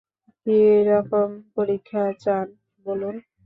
কিরকম পরীক্ষা চান, বলুন।